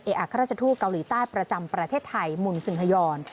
อัครราชทูตเกาหลีใต้ประจำประเทศไทยหมุนซึงฮยอน